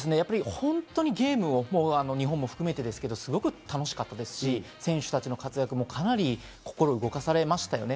本当にゲームを日本を含めてすごく楽しかったですし、選手たちの活躍も心動かされましたよね。